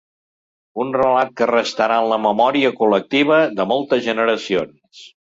Un relat que restarà en la memòria col·lectiva de moltes generacions.